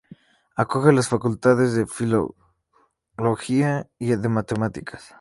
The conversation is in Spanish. Acoge las facultades de Filología y de Matemáticas.